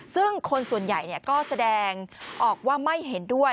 ซึ่งคนส่วนใหญ่ก็แสดงออกว่าไม่เห็นด้วย